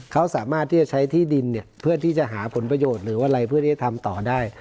เขาสามารถที่จะใช้ที่ดินเพื่อที่จะหาผลประโยชน์หรืออะไรเพื่อที่จะทำต่อได้